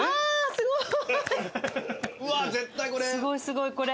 すごいすごいこれ。